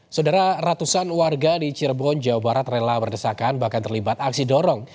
saudara ratusan warga di cirebon jawa barat rela berdesakan bahkan terlibat aksi dorong